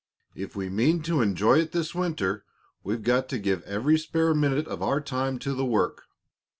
If we mean to enjoy it this winter, we've got to give every spare minute of our time to the work.